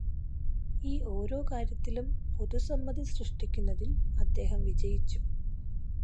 ഈ ഓരോ കാര്യത്തിലും പൊതുസമ്മതി സൃഷ്ടിക്കുന്നതിൽ അദ്ദേഹം വിജയിച്ചു.